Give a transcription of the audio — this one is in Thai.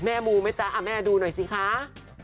มูไหมจ๊ะแม่ดูหน่อยสิคะ